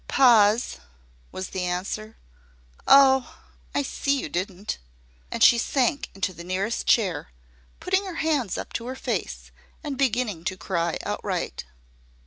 "Pa's," was the answer. "Oh! I see you didn't." And she sank into the nearest chair, putting her hands up to her face, and beginning to cry outright.